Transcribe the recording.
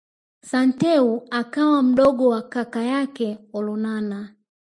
Santeu akawa mdogo kwa kaka yake Olonana